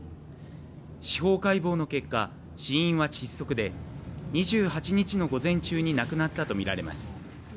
司法解剖の結果、死因は窒息で２８日の午前中に亡くなったとみられます。